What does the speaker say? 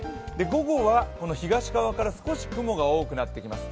午後は東側から少し雲が多くなってきます。